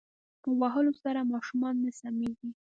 په وهلو سره ماشومان نه سمیږی